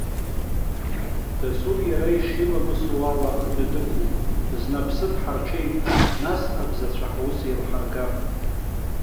Дасу иара ишиламысу ала адәы дықәуп, зны аԥсы дҳарҽеип, нас абзацәа ҳус еилҳаргап.